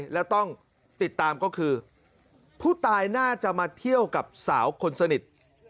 แล้วต้องติดตามก็คือผู้ตายน่าจะมาเที่ยวกับสาวคนสนิท